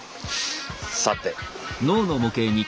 さて。